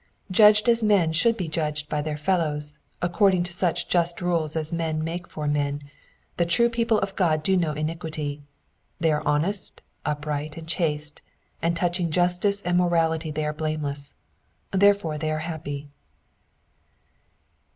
Judged as men should be judged by their fellows, according to such just rules as men make for men, the true people of God do no iniquity : they are honest, upright, and chaste, and touching justice and morality they are blameless. Therefore are they happy.